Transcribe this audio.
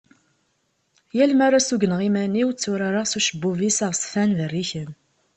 yal mi ara sugneɣ iman-iw tturareɣ s ucebbub-is aɣezfan berriken.